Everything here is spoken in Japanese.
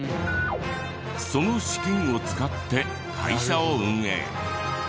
その資金を使って会社を運営。